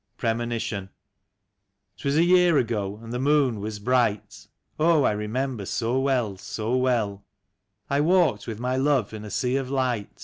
80 PEEMONITION. 'TwAS a year ago and the moon was bright (Oh, I remember so well, so well), I walked with my love in a sea of light.